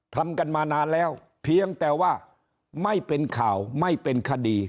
ทำกันมานานแล้วเพียงแต่ว่าไม่เป็นข่าวไม่เป็นคดี